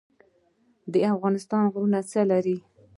د افغانستان غرونه څه لري؟